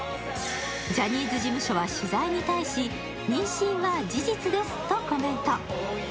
ジャニーズ事務所は取材に対し、妊娠は事実ですとコメント。